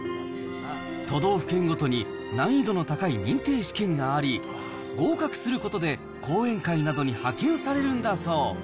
都道府県ごとに難易度の高い認定試験があり、合格することで講演会などに派遣されるんだそう。